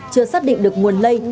chưa xác định được nguồn lây